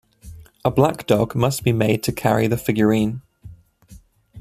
A black dog must be made to carry the figurine.